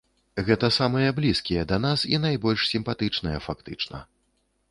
Гэта самыя блізкія да нас і найбольш сімпатычныя, фактычна.